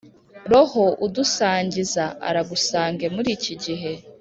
roho udusangiza aragusange muri ikigihe